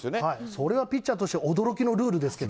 それはピッチャーとして驚きのルールですけど。